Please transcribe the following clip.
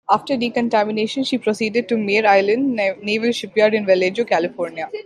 After decontamination, she proceeded to Mare Island Naval Shipyard at Vallejo, California.